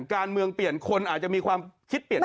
การเมืองเปลี่ยนคนอาจจะมีความคิดเปลี่ยน